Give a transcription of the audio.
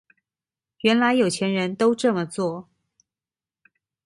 原來有錢人都這麼做